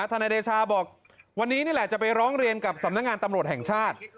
นายเดชาบอกวันนี้นี่แหละจะไปร้องเรียนกับสำนักงานตำรวจแห่งชาติ